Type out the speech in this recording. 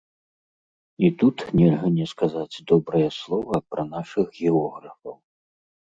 І тут нельга не сказаць добрае слова пра нашых географаў.